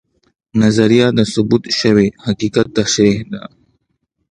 نظریه د ثبوت شوي حقیقت تشریح ده